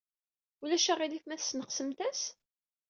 Ulac aɣilif ma tesneqsemt-as?